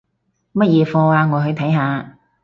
乜嘢課吖？我去睇下